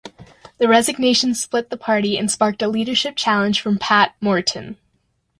The resignation split the party and sparked a leadership challenge from Pat Morton.